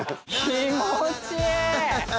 気持ちいい！